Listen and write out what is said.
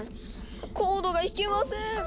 コードが弾けません。